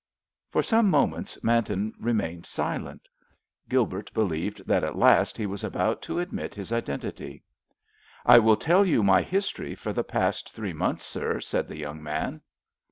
For some moments Manton remained silent. Gilbert believed that at last he was about to admit his identity. "I will tell you my history for the past three months, sir," said the young man.